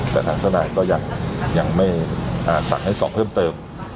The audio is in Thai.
แต่ทางเจ้านายก็ยังยังไม่อ่าสั่งให้ส่องเพิ่มเติม